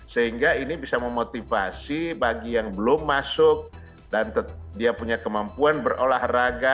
sehingga ini bisa memotivasi bagi yang belum masuk dan dia punya kemampuan berolahraga